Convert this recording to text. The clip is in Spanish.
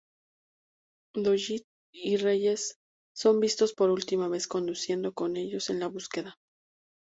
Doggett y Reyes son vistos por última vez conduciendo con ellos en la búsqueda.